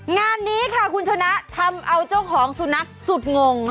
งานนี้ค่ะคุณชนะทำเอาเจ้าของสุนัขสุดงง